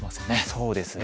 そうですね。